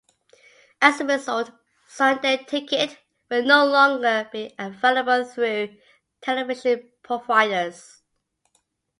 As a result, Sunday Ticket will no longer be available through television providers.